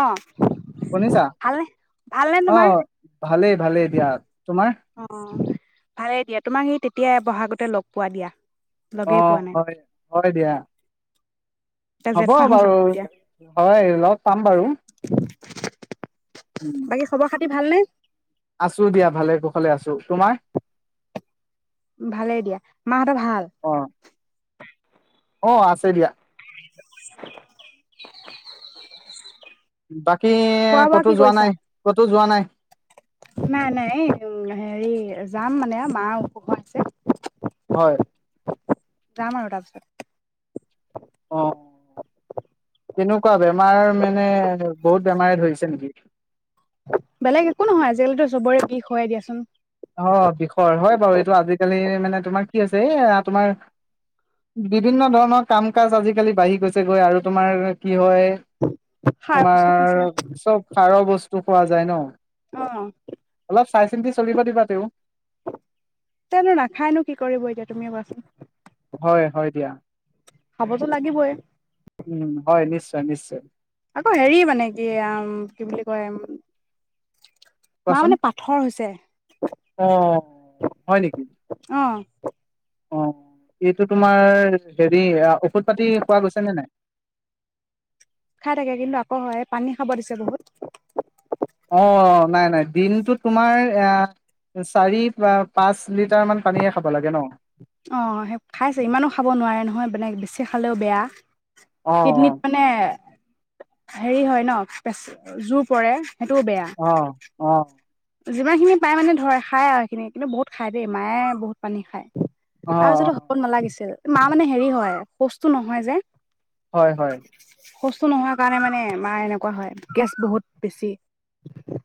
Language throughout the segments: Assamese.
অ'। শুনিছা? ভালনে ভালনে তোমাৰ? অ', ভালে-ভালেই দিয়া। তোমাৰ? অ', ভালে দিয়া। তোমাক সেই তে তিয়াই বহাগতে লগ পোৱা দিয়া। লগেই অ', পোৱা নাই হয় হয়। দিয়া, এতিয়া হ'ব জেঠ মাহো যাব বাৰু। এতিয়া হয়, লগ পাম বাৰু। উম। বাকী খবৰ খাতি ভালনে? আছোঁ। দিয়া, ভালে-কুশলে আছোঁ। তোমাৰ? ভালেই দিয়া মাহঁতৰ ভাল অ অ আছে দিয়া চ [unintelligible] বাক কি ক'তো যোৱা নাই ক'তো যোৱা নাই নাই নাই হেৰি যাম মানে আৰু মা উপওহ আছে হয় যাম আৰু তাৰপিছত অ তেনেকুৱা বেমাৰ মানে বহুত বেমাৰে ধৰিছে নেকি বেলেগ একো নহয় আজিকালিতো চবৰে বিষ হয়য়ে দিয়াচোন অ বিষয় হয় বাৰু এইটো আজিকালি মানে তোমাৰ কি আ হৈছে এই তোমাৰ বিভিন্ন ধৰণৰ কাম কাজ আজিকালি বাঢ়ি গৈছে গৈ আৰু তোমাৰ কি হয় সাৰ বস্তু খাইছে তোমাৰ চব সাৰৰ বস্তু পোৱা যায় ন অ অলপ চাই চিন্তি চলিব দিবা তেওঁ তনো নাখায়নো কি কৰিব এতিয়া তুমি কোৱাচোন হয় হয় দিয়া খাবতো লাগিবই উম হয় নিশ্চয় নিশ্চয় আকৌ হেৰি মানে কি কি বুলি কয় মা কোৱাচোন মানে পাথৰ হৈছে আহ হয় নেকি অ অ এইটো তোমাৰ হেৰি ঔষধ পাতি খোৱা গৈছে নে নাই খাই থাকে কিন্তু আকৌ হয় পানী খাব দিছে বহুত অ নাই নাই দিনটোত তোমাৰ এ চাৰি পাঁচ লিটাৰ মান পানী খাব লাগে ন অ সেই খাইছে ইমানো খাব নোৱাৰে নহয় মানে বেছি খালেও বেয়া অ কীডনীত মানে হেৰি হয় ন পচ জোৰ পৰে সেইটোও বেয়া অ অ যিমান খিনি পায় মানে ধৰে খায় আৰু সেইখিনি কিন্তু বহুত খাই দেই মায়ে বহুত পানী খায় অ অ তাৰপিছতো হবত নালাগিছিল মা মানে হেৰি হয় খোচটো নহয় যে হয় হয় সুস্থ নোহোৱাৰ কাৰণে মানে মাৰ এনেকুৱা হয় গেছ বহুত বেছি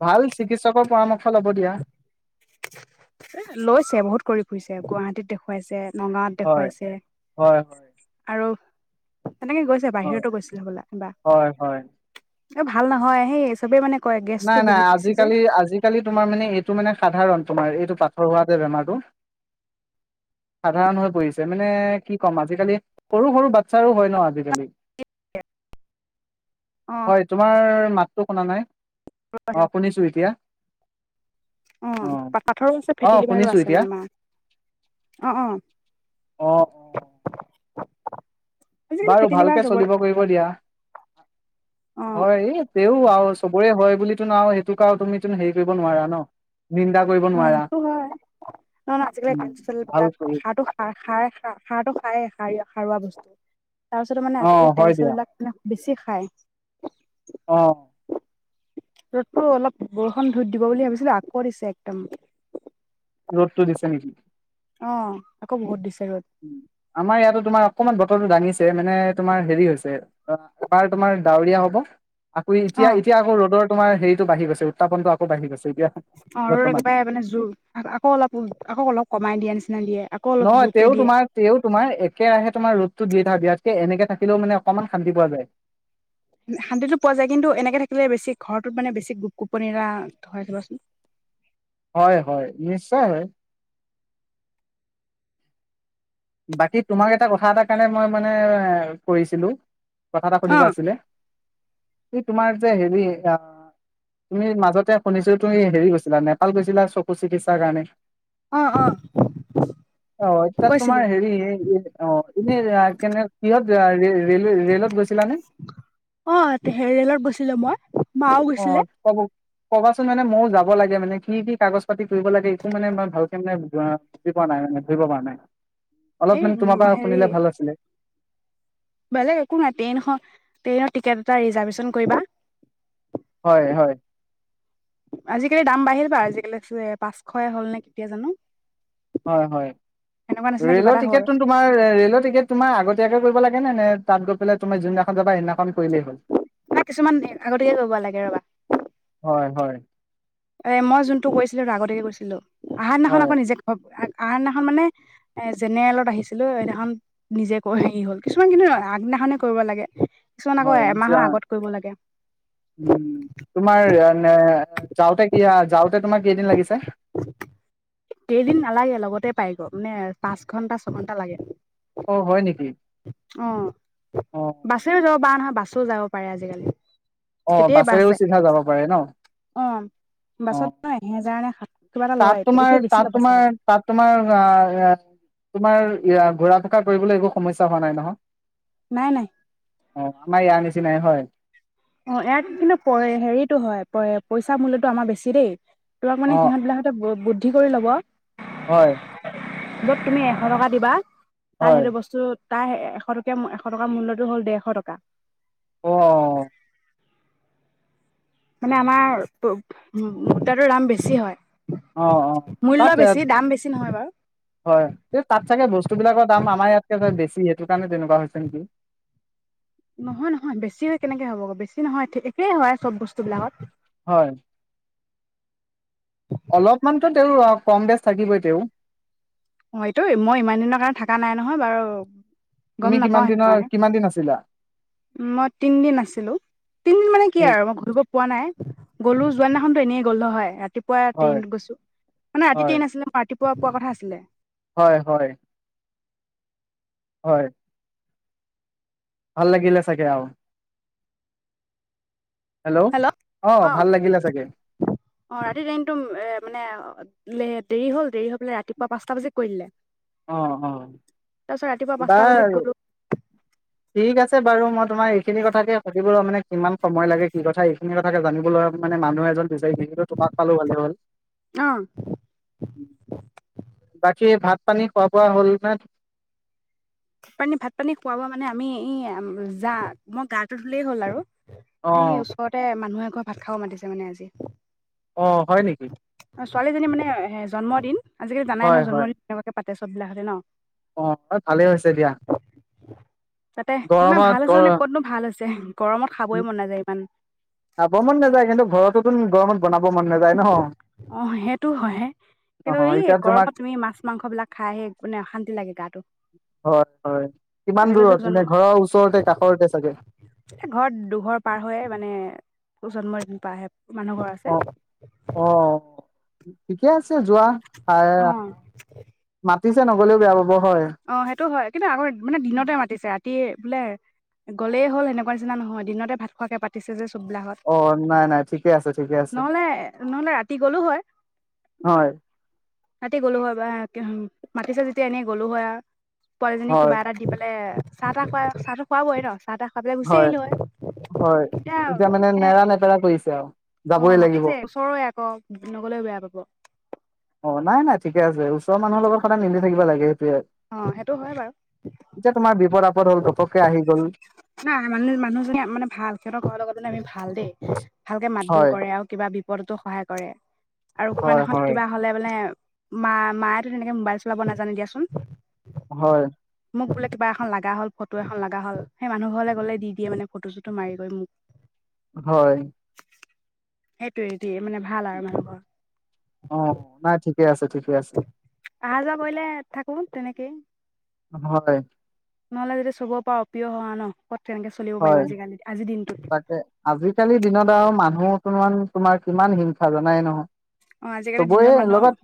ভাল চিকিৎসকৰ পৰামৰ্শ ল'ব দিয়া এ লৈছে বহুত কৰিব ফুৰিছে গুৱাহাটীত দেখুৱাইছে নগাঁৱত হয় দেখুৱাইছে হয় হয় আৰু তেনেকে গৈছে হয় বাহিৰতো গৈছিলে হবলা হয় হয় এবা ভাল নহয় সেই চবে মানে কয় নাই গেছটো নাই বহুত বেছি যে আজিকালি আজিকালি তম তোমাৰ মানে এইটো মানে সাধাৰণ তোমাৰ এইটো পাথৰ হোৱা যে বেমাৰটো সাধাৰণ হৈ পৰিছে মানে কি ক'ম আজিকালি সৰু সৰু বাচ্ছাৰো হয় ন আজিকালি অ হয় তোমাৰ মাততো শুনা নাই অ শুনিছো এতিয়া অ পাঠৰো আছে অ ফেট লিভাৰো শুনিছো আছে এতিয়া মানে মাৰ অ অ অ অ আজিকালি বাৰু ফেটি লিভাৰ ভালকে চবৰে চলিব হয় কৰিব দিয়া অ হয় এই তেও আৰু চবৰে হয় বুলি তো না সেইটো কাৰ আৰু তুমি হেৰি কৰিব নোৱাৰা ন নিন্দা কৰিব অ নোৱাৰা সেইটো হয় নহ নহয় আজিকালি উম, তেল চেল ভাল বিলাক কৰি সাৰটো খাৰ খ খ সাৰটো খায় সাৰ সাৰুৱা বস্তু তাৰপিছতো মানে অ আজিকালি তেল হয় দিয়া চেলবিলাকানে বেছি খায় অ ৰ'দতো অলপ বৰষুণ ধুত দিব বুলি ভাবিছিলো আকৌ দিছে ম ৰ'দটো দিছে নেকি অ আকৌ বহুত দিছো উ আমাৰ ইয়াাতো তোমাৰ অকমান টো দাঙিছে মানে তোমাৰ হেৰি হৈছে অ এবাৰ তোমাৰ ডাৱৰীয়া হব আকৌ অ এতিয়া এতিয়া আকৌ ৰ'দৰ তোৰ হেৰিটো বাঢ় গছে উতাপনটো আকৌ বাহি গৈছে এতিয়া অ ৰ বৰ্তমান একেবাৰে মানে জোৰ আকৌ অলপ আকৌ অলপ কমাই দিয় আ নিছিল নহয় তেওঁ তোমাৰ তেওঁ তোমাৰ একেৰাহে তোমাৰ ৰদতটো দি থাকতকৈ বিৰাাতকে এনেকে থাকে মানে অকমান শান্তি পোৱা যায় শান্তিিতটো পোৱা যায় কিন্তু এনেকে থাকিলে বেছি ঘৰৰতোত মানে বেছি গোপ গোপনিৰা আ ধৰেচোন হয় হয় নিশ্চয় হয় বাকী তোমাক এটা কথা এটা কাৰণে মই মানে কৰিছিলো কথা এটা অ সুধিব আছিলে এই তোমাৰ যে হেৰি অ তুমি মাজতে শুনিছো তুমি হেৰি গৈছিলা নেপাল গৈছিলা চকু চিকিৎসাৰ কাৰণে অ অ অ তাত তোমাৰ গৈছিলো হেৰি অ এনে কেনে কিহত দাৰিত অ' হেৰিলৈ গৈছিলো মই। মাও গৈছিলে অ' চব কবাচোন মানে মইও যাব লাগে মানে কি কি কাগজ পাতি কৰিব লাগে একো মানে মই ভালকে মানে বুজি পোৱা নাই মানে ধৰিব পৰা নাই। অলপ এই মানে তোমাৰ পৰা হেৰি শুনিলে ভাল আছিলে। বেলেগ একো নাই ট্ৰেইন এখন, ট্ৰেইনৰ টিকেট এটা ৰিজাৰ্ভেচন কৰিবা। হয় হয়। আজিকালি দাম বাঢ়িল বা আজিকালি পাঁচশ এ হ'ল নে কেতিয়া জানো। হয় হয় সেনেকুৱা নিচিনা কিবা ৰে'লৰ এটা হ'ল টিকেট তোমাৰ, ৰেলৰ টিকেট তোমাৰ আগতীয়াকে কৰিব লাগে নে তাত গৈ পেলাই তুমি যোনদিনাখন যাবা সেইদিনা নাই কিছুমান আগতিয়াকৈ কৰিব লাগে ৰ'বা। হয় হয় এ' মই যোনটো কৈছিলো হেতু আগতিয়াকে কৰিছিলোঁ। আহাৰদিনাখন হয় আকৌ নিজে আহাৰদিনাখন মানে, এ' জেনেৰেলত আহিছিলো সেইদিনাখন নিজে হেৰি হল কিছুমান কিন্তু আগদিনাখনে কৰিব লাগে। কিছুমান আকৌ হয়, নিজা এমাহৰ আগত কৰিব লাগে উম তোমাৰ এনে যাওঁতে [unintelligible] [unintelligible] লাগিছে কেইদিন নালাগে লগতে পাই গৈ মানে, পাঁচ ঘন্টা ছঘন্টা লাগে। অ' হয় নেকি? অ' অ বাছেও যাব পাৰা নহয় বা বাছে যাব পাৰে আজিকালি। অ' তেতিয়াই বাছ বাছেৰেও যায় চিধা যাব পাৰে ন'? অ'। অ বাছতো এহেজাৰ নে সাত- কিবা এটা তাত লয় তোমাৰ, এতিয়া বেছি তাত ল'ব চাগে তোমাৰ, তাত তোমাৰ তোমাৰ ঘূৰা ফুকা কৰিবলৈ একো সমস্যা হোৱা নাই নহয়? নাই নাই। অ' আমাৰ ইয়াৰ নিচিনাই হয়। অ' ইয়াৰ কিন্তু প হেৰিটো হয়, পইচা মূল্যতো আমাৰ বেছি দেই। অ মানে সিহঁত অ বিলাকে বহুত বহুত কি কৰি ল'ব হয়। যত তুমি এশ টকা দিবা তাৰ হয় সেইটো বস্তু তাৰ এশ টকীয়া এশ টকাৰ মূল্যতো হ'ল ডেৰশ টকা। অ মানে আমাৰ মুদ্ৰাটোৰ দাম বেছি হয়। অ অ তাত মূল্য বেছি, দাম বেছি নহয় বাৰু। হয় এই তাত চাগে বস্তু বিলাকৰ দাম আমাৰ ইয়াতকে বেছি সেইটো কাৰণে তেনেকুৱা হৈছে নেকি নহয় নহয় বেছি কেনেকে হ'ব আ বেছি নহয় একেই হয় চব বস্তুবিলাকত হয় অলপমানতো তেওঁৰ কম বেচ থাকিবই তেও অ এইটো মই ইমান দিনৰ কাৰণে থকা নাই নহয় বাৰু গম তুমি কিমান নাপাওঁ সেইটো দিনৰ কাৰণে কিমান দিন আছিলা মই তিনদিন আছিলো তিনদিন মানে কি আৰু মই ঘূৰিব পোৱা নাই গলো যোৱাদিনাখনতো এনেই গল হয় ৰাতিপুৱা হয় ট্ৰেইনত গৈছো মানে ৰাতি হয় ট্ৰেইন আছিলে মই ৰাতি খোৱা পোৱা কথা আছিলে হয় হয় হয় ভাল লাগিলে চাগে আ হেল্ল' অ অঁ ভাল লাগিলে চাগে অ ৰাতি ট্ৰেইনটো এ মানে দেৰি হ'ল দেৰি হ বোলে ৰাতিপুৱা পাঁচটা বাজে কৰিলে অ অ পাঁচটা বাজিত বাৰ গ'লো ঠিক আছে আছে বাৰু মই তোমাৰ এইখিনি কথাকে সুধিবলৈ মানে কিমান সময় লাগে কি কথা এইখিনি কথাকে জানিবলৈ মানে মানুহ এজন বিচাৰি ফুৰিছিলো তোমাক পালো ভালে হ'ল আহ বাকী ভাত পানী খোৱা বোৱা হ'ল ন পানী ভাত পানী খুৱাব মানে আমি এই যা মই গাটো ধুলেই হ'ল আৰু অ এই ওচৰতে মানুহে ভাত খাবও মাতিছে মানে আজি অ হয় নেকি ছোৱালীজনী মানে জন্মদিন আজিকালি জানাই ন হয় হয় জন্মদিন কেনেকুৱা পাতে ত চবিলখে ন [inaudible] অ ভালেই হৈছে দিয়া তাতে ইমান গৰমত ভাল হৈছে গৰ মানে ক'তনো ভাল হৈছে গৰমত খাবই মন নাযায় ইমান আ গৰমত নাযায় কিন্তু ঘৰতোটো গৰমত বনাব মন নাযায় ন আহ সেইটো হয়ে অ কিন্তু এই এতিয়া তোমাক গৰমত তুমি মাছ মাংস বিলাক খাইহে মানে অশান্তি লাগে গাটো হয় হয় কিমান আজিকালিতো দূৰত এনে জন্ম ঘৰৰ ওচৰতে কাষৰতে চাগে ঘৰত দুঘৰ পাৰ হৈ মানে টো জন্মৰদিন পৰাহে মানুহ ঘৰ অ আছে অ ঠিকে আছে যোৱা অ ম [inaudible] দিছে নগলেও বেয়া পাব হয় অ সেইটো হয় কিন্তু আগৰ মানে দিনতে মাতিছে ৰাতি বোলে গলেই হ'ল এনেকুৱা নিচিনা নহয় দিনতে ভাত খোৱাকে পাতিছে যে চববিলাকত অ নাই নাই ঠিকে আছে ঠিকে আছে নহ'লে নহ'লে ৰাতি হয় ৰাতিতে গ'লো হয় বা মাতি চা যেতিয়া এনেই গলো হয় অ পোৱালি জনীক হয় কিবা এটা দি পেলে চাহ তাহ খুৱা চাহ টো খুৱাবই ন চাহ তাহ খুৱাই পেলাই গুচি হয় আহিলো হয় এতিয়া মানে নেৰা নেপেৰা কৰিছে আৰু অ যাবই লাগিব মাতিছে ওচৰৰে আকৌ নগলেও বেয়া পাব অ নাই নাই থিকে আছে ওচৰ মানুহৰ লগত সদায় মিলি থাকিব লাগে। সেইটোৱে অ সেইটো হয় বাৰু এতিয়া তোমাৰ বিপদ আপদ হ'ল ঘপককে আহি গ'ল নাই ম মানুহজনী মানে ভাল সিহঁতৰ ঘৰৰ লগত আমি ভাল দেই ভালকে মাত বোল হয় কৰে আৰু কিবা বিপদতো সহায় কৰে আৰু কোনোবা হয় দিনা খনা হয় কিবা হ'লে মানে মা মায়ে তো তেনেকে মোবাইল চলাব নাজানে দিয়াচোন হয় মোক বোলে কিবা এখন লগা হ'ল ফটো এখন লগা হ'ল সেই মানুহ ঘৰলে গ'লে দি দিয়ে মানে ফটো চটো মাৰি কৰি মোক হয় সেইটোটে মানে ভাল আৰু মানুহৰ অ নাই ঠিক থিকে আছে ঠিকে আছে অহা যোৱা কৰিলে থাকো তেনেকেই হয় নহ'লে যেতিয়া চব পা অপ্ৰিয় হা ন ক'ত কেনেক চলিব পাৰিম হয় আজিকালি আজি দিন তাকে আজিকালি দিনত আৰু মানুহ অকমান তোমাৰ কিমান হিংসা জনাই নহয় অ আজিকালি চবৰে দিনত মানুহক লগত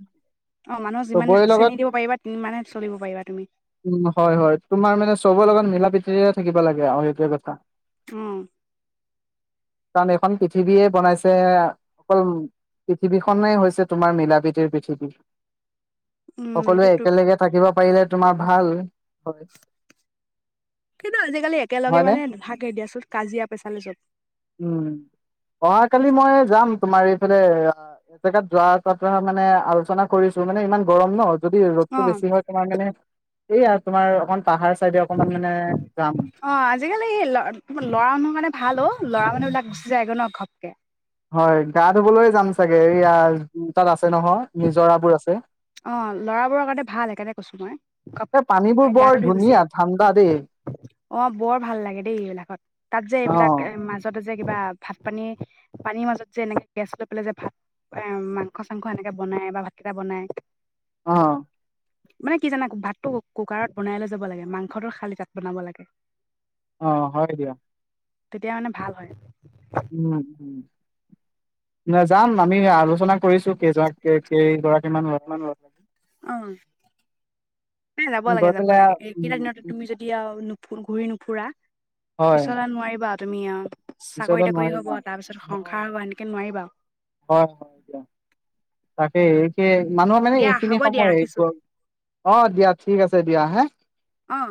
অ মানুহক যিমান চবৰে লগত চেনি দিব পাৰিবা সিমানে চলিব পাৰিবা তুমি উম, [unintelligible] থাকিবা লাগে আৰু সেইতোয়ে কথা উম কাৰণ এইখন পৃথিৱীয়ে বনাইছে অকল পৃথিৱীখনে হৈছে তোমাৰ মিলা প্ৰীতিৰ পৃথিৱী উম সকলোৱে সেইটোতো একেলগে থাকিব পাৰিলে তোমাৰ ভাল হয় কিন্তু আজিকালি একেলগে হয়নে? মানে নাথাকে দিয়াচোন কাজিয়া পেচাল উম অহাকালি মই যাম তোমাৰ এই [unintelligible] এজেগাত যোৱা [unintelligible] মানে আলোচনা কৰিছো মানে ইমান গৰম ন। যদি ৰ'দটো অ', বেছি হয় তোমাৰ মানে এইয়া তোমাৰ [unintelligible] পাহাৰ চাইডে অকনমান মানে যাম। অ', আজিকালি এই ল [unintelligible] ভাল। অ', ল'ৰা-মানুহবিলাক গুচি যায়গৈ ন', ঘপ কে হয়, গা ধুবলৈ যাম চাগে। এইয়া তাত আছে নহয়, নিজৰাবোৰ আছে অ', ল'ৰাবোৰৰ কাৰণে ভাল। সেইকাৰণে কৈছোঁ মই। এই পানীবোৰ ঘপকে, বৰ গাটো ধুই গুচি ধুনীয়া ঠাণ্ডা দেই। আহে। অ', বৰ ভাল লাগে দেই এইবিলাকত। তাত যে অ', এইবিলাক মাজত যে, কিবা ভাত-পানী, পানীৰ মাজত যে এনেকে গেছ লৈ পেলাই যে, ভাত-মাংস-চাংস এনেকৈ বনাই বা ভাতকেইটা বনাই অ'। মানে, কি জানা, ভাতটো কুকাৰত বনাই লৈ যাব লাগে। মাংসটো খালী তাত বনাব লাগে অ', হয় দিয়া। তেতিয়া, মানে, ভাল হয়। উম, উম। নাই, যাম। আমি আলোচনা কৰিছোঁ কেইজাক, কেইগৰাক উ [unintelligible] যাব লাগে গৈ যাব পেলাই লাগে একেইটা দিনতে উম, তুমি যদি আও ঘূৰি নুফুৰা? হয় পিছলে নোৱাৰিবা তুমি আও চাকৰি পিছলৈ তাকৰি নোৱাৰিম হব আৰু। তাৰ পিছত সংসাৰ হয়। হব এনেকে নোৱাৰিবা আও হয়, হয় দিয়া তাকে এ মানুহৰ মানে এইখিনি দিয়া সময়ে ৰাখিছো গল, অ', দিয়া ঠিক আছে দিয়া হা অ'।